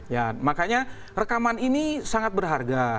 ya makanya rekaman ini sangat berharga